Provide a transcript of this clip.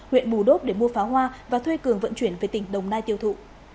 huyện bù đốt để mua pháo hoa và thuê cường vận chuyển về tỉnh đồng nai tiêu thụ